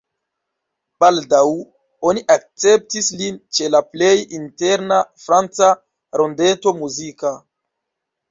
Baldaŭ oni akceptis lin ĉe la plej interna franca rondeto muzika.